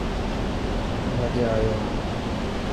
هون اڄ آيو هان.